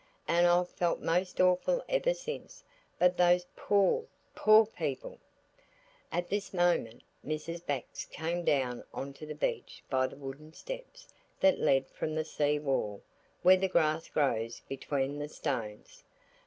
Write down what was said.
And I've felt most awful ever since, but those poor, poor people–" At this moment Mrs. Bax came down on to the beach by the wooden steps that lead from the sea wall where the grass grows between the stones.